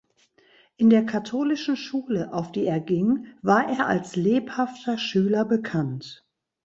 In der katholischen Schule, auf die er ging, war er als lebhafter Schüler bekannt.